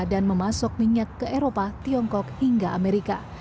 dan memasuk minyak ke eropa tiongkok hingga amerika